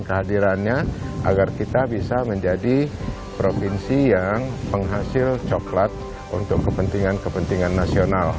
dan kehadirannya agar kita bisa menjadi provinsi yang penghasil coklat untuk kepentingan kepentingan nasional